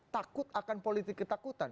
takut akan politik ketakutan